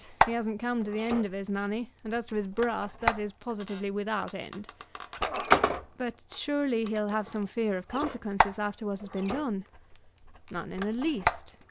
He hasn't come to the end of his money, and as to his brass that is positively without end." "But surely he'll have some fear of consequences after what has been done?" "None in the least.